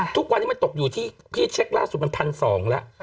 ทุกวันนี้มันตกอยู่ที่พี่เช็คล่าสุดมัน๑๒๐๐แล้ว